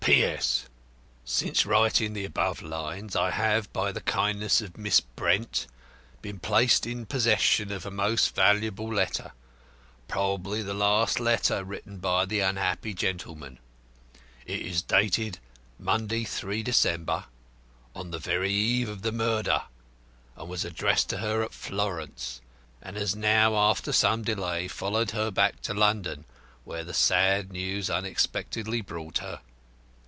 "P. S. Since writing the above lines, I have, by the kindness of Miss Brent, been placed in possession of a most valuable letter, probably the last letter written by the unhappy gentleman. It is dated Monday, 3 December, the very eve of the murder, and was addressed to her at Florence, and has now, after some delay, followed her back to London where the sad news unexpectedly brought her.